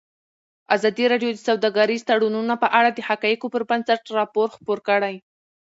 ازادي راډیو د سوداګریز تړونونه په اړه د حقایقو پر بنسټ راپور خپور کړی.